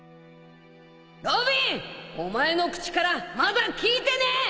ロビン！お前の口からまだ聞いてねえ！